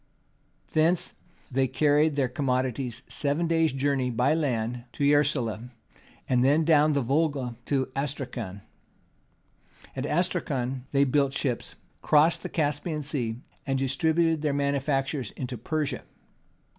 Thence they carried their commodities seven days' journey by land to Yeraslau, and then down the Volga to Astracan. At Astracan they built ships, crossed the Caspian Sea, and distributed their manufactures into Persia.